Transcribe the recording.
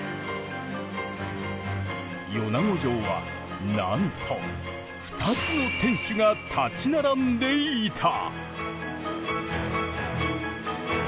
米子城はなんと２つの天守が立ち並んでいた。